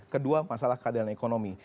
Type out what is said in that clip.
kedua masalah keadilan ekonomi